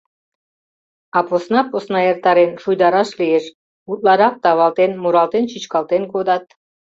А посна-посна эртарен, шуйдараш лиеш, утларак тавалтен, муралтен-чӱчкалтен кодат.